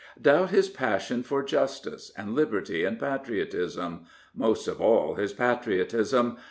Doubt his passion for justice and liberty and patriot ism — most of all, his patriotism.